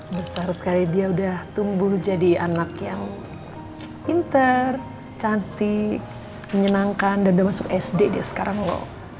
besar sekali dia udah tumbuh jadi anak yang pinter cantik menyenangkan dan udah masuk sd dia sekarang loh